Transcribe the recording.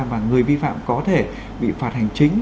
và người vi phạm có thể bị phạt hành chính